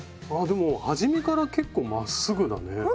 あでも初めから結構まっすぐだね。